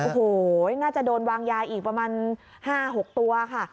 โอ้โหน่าจะโดนวางยาอีกประมาณ๕๖ตัวค่ะ